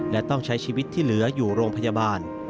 และต้องใช้ชีวิตที่เหลืออยู่โรงพยาบาล